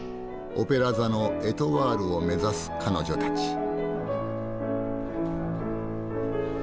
オペラ座のエトワールを目指す彼女たち。